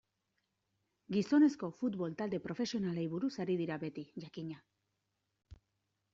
Gizonezko futbol talde profesionalei buruz ari dira beti, jakina.